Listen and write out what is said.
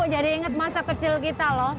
jadi inget masa kecil kita loh